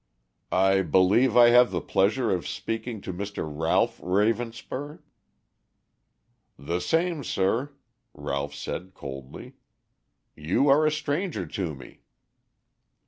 "I believe I have the pleasure of speaking to Mr. Ralph Ravenspur?" "The same, sir," Ralph said coldly. "You are a stranger to me."